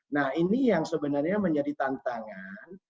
nah ini yang sebenarnya menjadi tantangan